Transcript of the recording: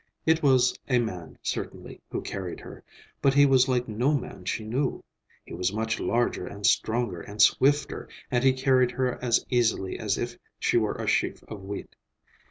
It was a man, certainly, who carried her, but he was like no man she knew; he was much larger and stronger and swifter, and he carried her as easily as if she were a sheaf of wheat.